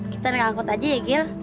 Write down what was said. kita naik angkot aja ya gil